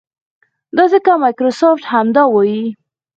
دا ځکه مایکروسافټ همدا وايي.